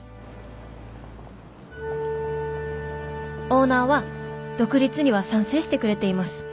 「オーナーは独立には賛成してくれています。